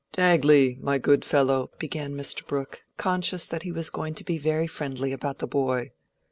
"Dagley, my good fellow," began Mr. Brooke, conscious that he was going to be very friendly about the boy.